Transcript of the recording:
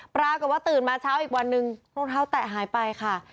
ปรากฏว่าตื่นมาเช้าอีกวันนึงรองเท้าแตะหายไปค่ะ